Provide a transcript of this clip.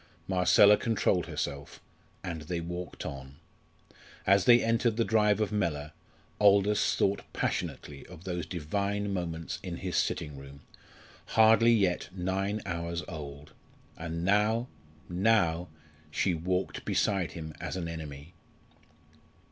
Marcella controlled herself, and they walked on. As they entered the drive of Mellor, Aldous thought passionately of those divine moments in his sitting room, hardly yet nine hours old. And now now! she walked beside him as an enemy.